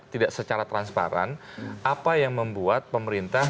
tidak secara transparan apa yang membuat pemerintah